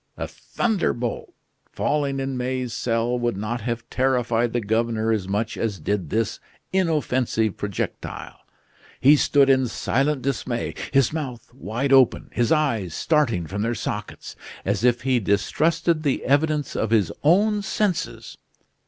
A thunderbolt falling in May's cell would not have terrified the governor as much as did this inoffensive projectile. He stood in silent dismay; his mouth wide open, his eyes starting from their sockets, as if he distrusted the evidence of his own senses.